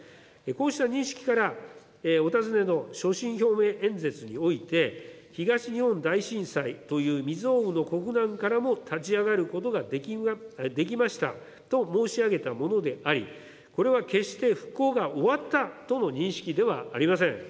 こうした認識から、お尋ねの所信表明演説において、東日本大震災という未曽有の国難からも立ち上がることができましたと申し上げたものであり、これは決して復興が終わったとの認識ではありません。